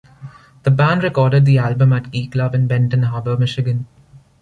The band recorded the album at Key Club in Benton Harbor, Michigan.